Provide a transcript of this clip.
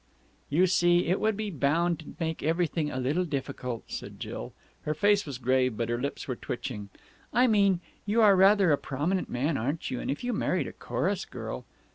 "You see, it would be bound to make everything a little difficult," said Jill. Her face was grave, but her lips were twitching. "I mean, you are rather a prominent man, aren't you, and if you married a chorus girl...."